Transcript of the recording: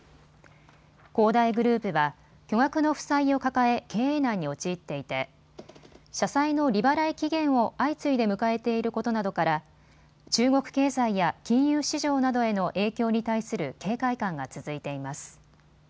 恒大グループは巨額の負債を抱え経営難に陥っていて社債の利払い期限を相次いで迎えていることなどから中国経済や金融市場などへの影響に対する警戒感が続いています。